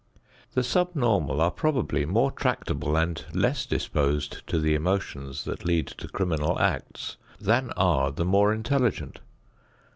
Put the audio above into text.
The sub normal are probably more tractable and less disposed to the emotions that lead to criminal acts than are the more intelligent.